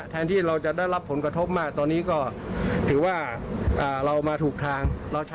แทนที่เราจะได้รับผลกระทบมากตอนนี้ก็ถือว่าเรามาถูกทาง